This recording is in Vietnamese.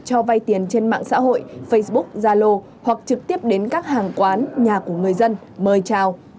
cho vay tiền trên mạng xã hội facebook zalo hoặc trực tiếp đến các hàng quán nhà của người dân mời trao